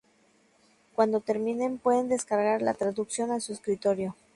Cuando terminen, pueden descargar la traducción a su escritorio.